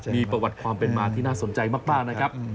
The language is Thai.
มีประวัติความเป็นมาที่น่าสนใจมากนะครับ